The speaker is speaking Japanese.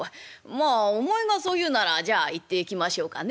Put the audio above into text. まあお前がそう言うならじゃあ行ってきましょうかね。